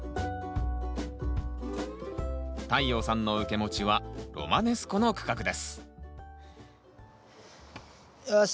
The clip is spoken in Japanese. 太陽さんの受け持ちはロマネスコの区画ですよし！